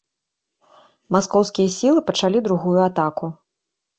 Маскоўскія сілы пачалі другую атаку.